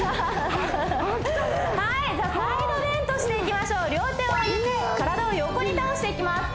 はいじゃあサイドベントしていきましょう両手を上げて体を横に倒していきます